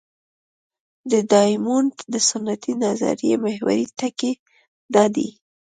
د ډیامونډ د سنتي نظریې محوري ټکی دا دی.